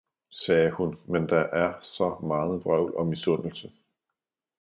sagde hun, men der er så meget vrøvl og misundelse!